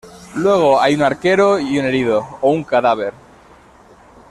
Luego, hay un arquero y un herido o un cadáver.